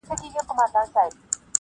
• پیر اغوستې ګودړۍ وه ملنګینه -